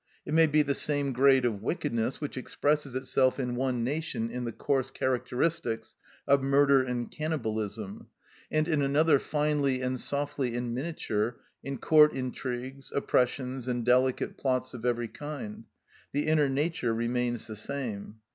It may be the same grade of wickedness which expresses itself in one nation in the coarse characteristics of murder and cannibalism, and in another finely and softly in miniature, in court intrigues, oppressions, and delicate plots of every kind; the inner nature remains the same.